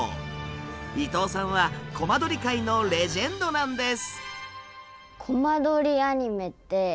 伊藤さんはコマ撮り界のレジェンドなんです。